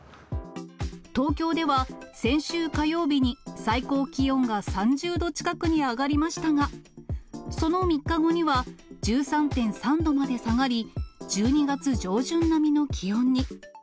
東京では先週火曜日に、最高気温が３０度近くに上がりましたが、その３日後には１３．３度まで下がり、１２月上旬並みの気温に。